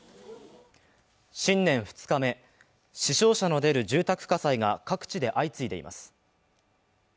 新年２日目、死傷者の出る住宅火災が各地で相次いでいます。